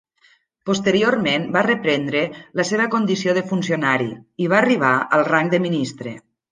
Posteriorment va reprendre la seva condició de funcionari i va arribar al rang de ministre.